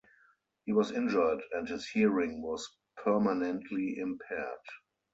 He was injured and his hearing was permanently impaired.